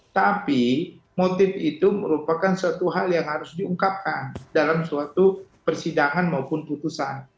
tapi motif itu merupakan suatu hal yang harus diungkapkan dalam suatu persidangan maupun putusan